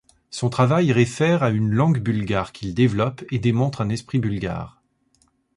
Son travail réfère à une langue bulgare qu'il développe, et démontre un esprit bulgare.